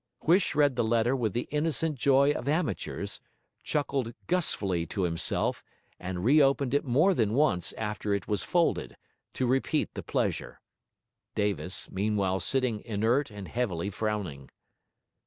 Huish read the letter with the innocent joy of amateurs, chuckled gustfully to himself, and reopened it more than once after it was folded, to repeat the pleasure; Davis meanwhile sitting inert and heavily frowning.